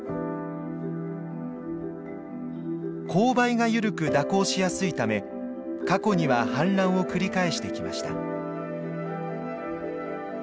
勾配が緩く蛇行しやすいため過去には氾濫を繰り返してきました。